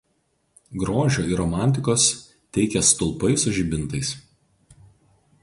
Grožio ir romantikos teikia stulpai su žibintais.